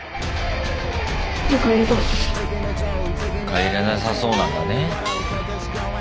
帰れなさそうなんだね。